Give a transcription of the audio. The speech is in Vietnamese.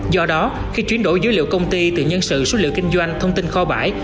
do đó khi chuyển đổi dữ liệu công ty từ nhân sự số liệu kinh doanh thông tin kho bãi